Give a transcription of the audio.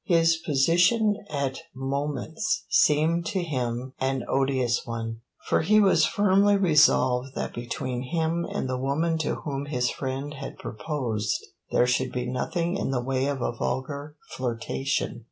His position at moments seemed to him an odious one, for he was firmly resolved that between him and the woman to whom his friend had proposed there should be nothing in the way of a vulgar flirtation.